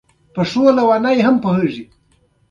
د ماتېدو په مقابل کې چک ترسره کوو